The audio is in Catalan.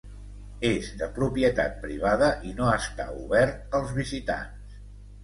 És de propietat privada i no està obert als visitants.